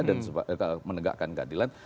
dan menegakkan keadilan